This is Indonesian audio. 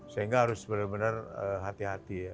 sehingga harus benar benar hati hati ya